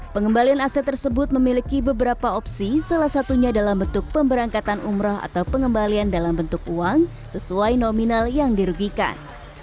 pengembalian aset tersebut memiliki beberapa opsi salah satunya dalam bentuk pemberangkatan umroh atau pengembalian dalam bentuk uang sesuai nominal yang dirugikan